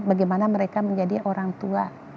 bagaimana mereka menjadi orang tua